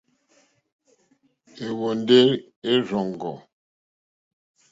Ɛ́hwɔ̀ndɛ́ ɛ́ rzɔ́ŋɡɔ̂.